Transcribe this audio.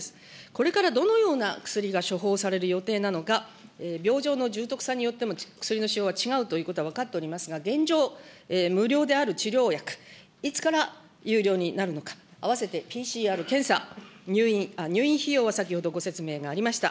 これからどのような薬が処方される予定なのか、病状の重篤さによっても薬の処方は違うということは分かっておりますが、現状、無料である治療薬、いつから有料になるのか、併せてＰＣＲ検査、入院、入院費用は先ほどご説明がありました、